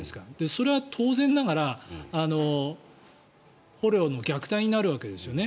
それは当然ながら捕虜の虐待になるわけですよね。